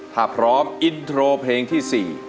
ถ้าพร้อมอินโทรเพลงที่๔